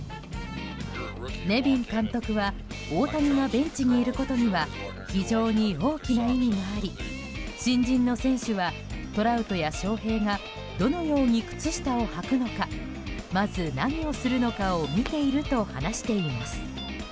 ネビン監督は大谷がベンチにいることには非常に大きな意味があり新人の選手はトラウトや翔平がどのように靴下を履くのかまず何をするのかを見ていると話しています。